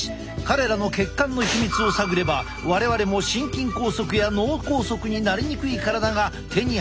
彼らの血管のヒミツを探れば我々も心筋梗塞や脳梗塞になりにくい体が手に入るかもしれない。